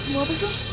bau apa cung